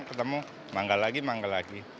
ketemu mangga lagi mangga lagi